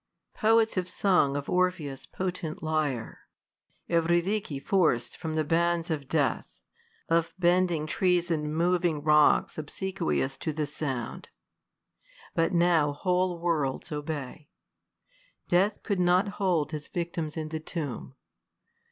Poets have sung of Orpheus' potent lyre ; Eurydice, forc'd from the bands of death, Of bending trees and moving rocks obsequious To the sound. But now whole worlds obey. Death could not hold his victims in the tomb.